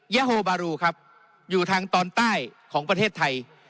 ยาโฮบารูครับอยู่ทางตอนใต้ของประเทศไทย